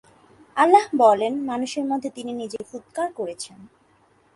আল্লাহ বলেন-মানুষের মধ্যে তিনি নিজেকে ফুৎকার করেছেন।